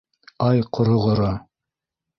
— Ай, ҡороғоро.